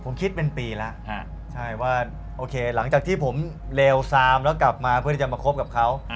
ผมคิดเป็นปีแล้วใช่ว่าโอเคหลังจากที่ผมเลวซามแล้วกลับมาเพื่อที่จะมาคบกับเขา